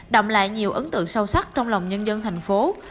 động lại nhiều ấn tượng sâu sắc trong lòng nhân dân thành phố